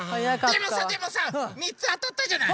でもさでもさ３つあたったじゃない。